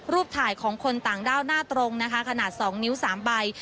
รูปถ่ายของคนแต่งดาวหน้าตรง๒นิ้ว๓ใบ